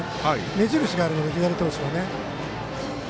目印があるので、左投手は。